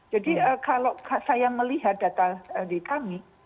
jadi kalau saya melihat data dari kami